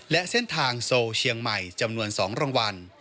และเส้นทางโซลเชียงใหม่จำนวน๒รางวัล